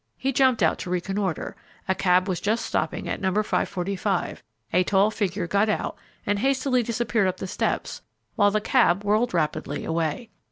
He jumped out to reconnoitre; a cab was just stopping at No. 545, a tall figure got out and hastily disappeared up the steps, while the cab whirled rapidly away.